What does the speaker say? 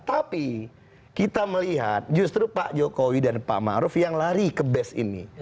tapi kita melihat justru pak jokowi dan pak maruf yang lari ke best ini